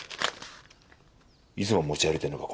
いつも持ち歩いてるのか？